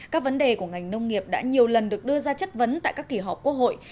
các vấn đề của ngành nông nghiệp đã nhiều lần được đưa ra chất vấn tại các kỳ họp quốc hội